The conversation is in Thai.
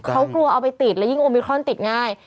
เขากลัวเอาไปติดแล้วยิ่งโอมิครอนติดง่าย